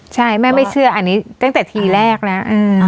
ใช่แม่ไม่เชื่ออันนี้ตั้งแต่ทีแรกแล้ว